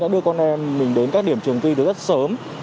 đưa con em mình đến các điểm trường thi từ rất sớm